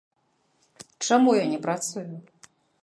Чаму я не працую?